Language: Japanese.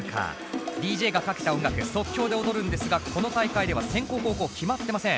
ＤＪがかけた音楽即興で踊るんですがこの大会では先攻後攻決まってません。